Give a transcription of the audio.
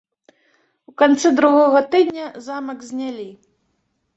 У канцы другога тыдня замак знялі.